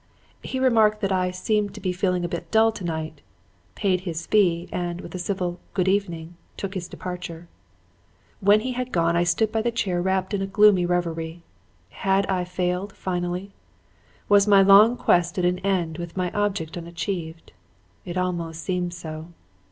He remarked that I 'seemed to be feeling a bit dull tonight,' paid his fee, and, with a civil 'good evening,' took his departure. "When he had gone I stood by the chair wrapped in a gloomy reverie. Had I failed finally? Was my long quest at an end with my object unachieved? It almost seemed so.